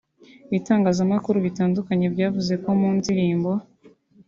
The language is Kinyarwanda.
Ibitangazamakuru bitandukanye byavuze ko mu ndirimbo